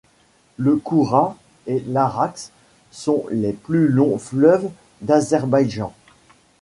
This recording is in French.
Le Koura et l'Araxe sont les plus longs fleuves d'Azerbaïdjan.